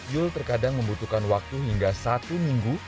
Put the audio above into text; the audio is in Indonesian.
yul terkadang membutuhkan waktu hingga satu minggu